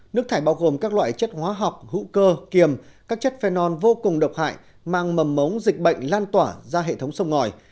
nước thải bao gồm các loại chất hóa học hữu cơ kiềm các chất phenol vô cùng độc hại mang mầm mống dịch bệnh lan tỏa ra hệ thống sông ngòi